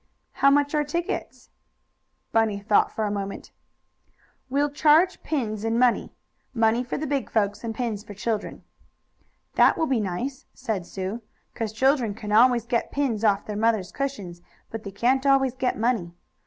"How much are tickets?" Bunny thought for a moment. "We'll charge pins and money money for the big folks, pins for children." "That will be nice," said Sue, "'cause children can always get pins off their mothers' cushions, but they can't always get money.